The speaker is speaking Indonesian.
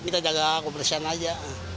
kita jaga persian aja